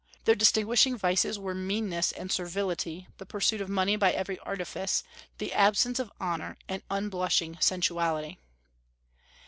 Their distinguishing vices were meanness and servility, the pursuit of money by every artifice, the absence of honor, and unblushing sensuality.